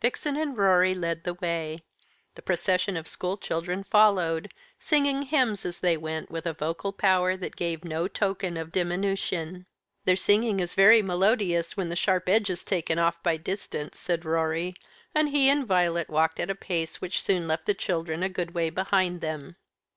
Vixen and Rorie led the way; the procession of school children followed, singing hymns as they went with a vocal power that gave no token of diminution. "Their singing is very melodious when the sharp edge is taken off by distance," said Rorie; and he and Violet walked at a pace which soon left the children a good way behind them.